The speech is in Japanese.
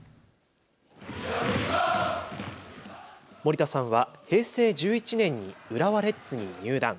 盛田さんは平成１１年に浦和レッズに入団。